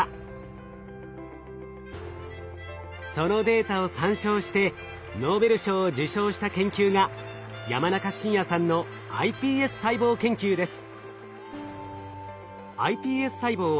そのデータを参照してノーベル賞を受賞した研究が山中伸弥さんのｉＰＳ細胞研究です。